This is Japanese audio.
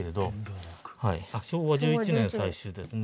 昭和１１年採取ですね。